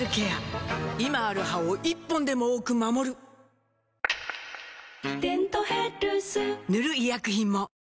今ある歯を１本でも多く守る「デントヘルス」塗る医薬品も